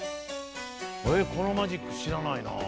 えっこのマジックしらないな。